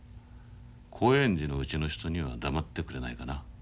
興園寺のうちの人には黙っててくれないかな。